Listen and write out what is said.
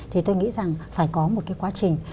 thì tôi nghĩ rằng phải có một cái quá trình